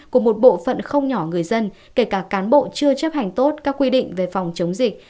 của một bộ phận không nhỏ người dân kể cả cán bộ chưa chấp hành tốt các quy định về phòng chống dịch